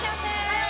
はい！